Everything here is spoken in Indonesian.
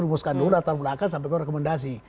rumuskan dulu datang datang sampai ke rekomendasi